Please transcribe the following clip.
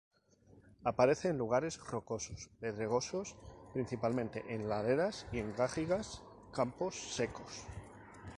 Aparece en lugares rocosos y pedregosos, principalmente en laderas y en garrigas, campos secos.